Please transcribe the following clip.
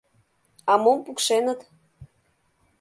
— А мом пукшеныт?